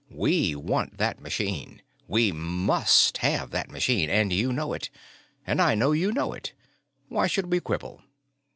We want that machine we must have that machine. And you know it. And I know you know it. Why should we quibble?